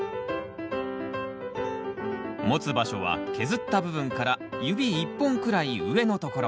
持つ場所は削った部分から指１本くらい上のところ。